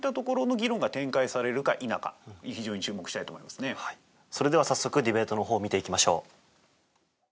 ですのでそれでは早速ディベートの方を見ていきましょう。